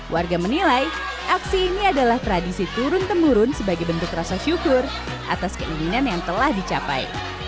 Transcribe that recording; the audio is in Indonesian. warga menilai aksi ini adalah tradisi turun temurun sebagai bentuk rasa syukur atas keinginan yang telah dicapai